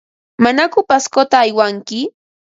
¿Manaku Pascota aywanki?